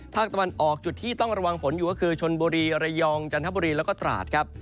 ภาคตะวันออกจุดที่ต้องระวังฝนอยู่ก็คือชนบุรีระยองจันทบุรีแล้วก็ตราดครับ